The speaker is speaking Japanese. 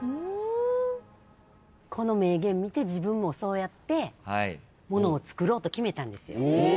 この名言見て自分もそうやって物をつくろうと決めたんですよ。